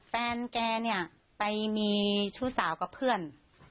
แฟนแกเนี่ยไปมีชู้สาวกับเพื่อน